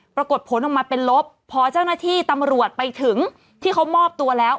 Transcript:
ปรากฏผลออกมาเป็นลบพอเจ้าหน้าที่ตำรวจไปถึงที่เขามอบตัวแล้ว